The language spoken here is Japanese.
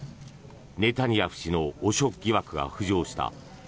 ネタニヤフ氏の汚職疑惑が浮上した